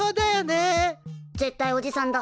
絶対おじさんだ。